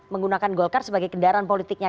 menggunakan golkar sebagai kendaraan politiknya